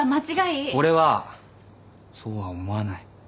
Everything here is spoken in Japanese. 俺はそうは思わない。